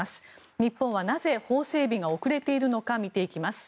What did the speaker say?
日本はなぜ、法整備が遅れているのか見ていきます。